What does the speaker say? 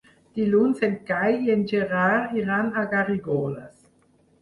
Dilluns en Cai i en Gerard iran a Garrigoles.